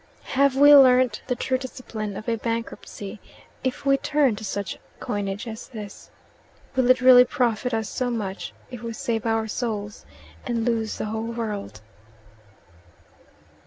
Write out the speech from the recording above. Have we learnt the true discipline of a bankruptcy if we turn to such coinage as this? Will it really profit us so much if we save our souls and lose the whole world?